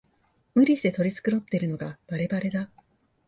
無理して取り繕ってるのがバレバレだ